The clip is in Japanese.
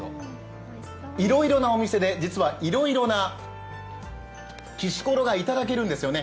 いろいろなお店で、実はいろいろなきしころがいただけるんですよね。